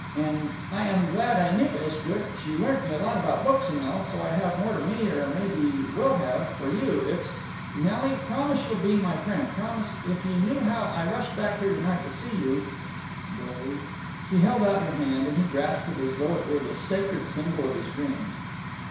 And I am glad I knew Istra—she learnt me a lot about books and all, so I have more to me, or maybe will have, for you. It's —Nelly—promise you'll be—my friend—promise—If you knew how I rushed back here tonight to see you!" "Billy—" She held out her hand, and he grasped it as though it were the sacred symbol of his dreams.